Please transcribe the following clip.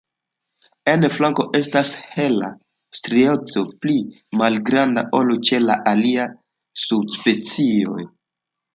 En flanko estas hela strieco pli malgranda ol ĉe la aliaj subspecioj.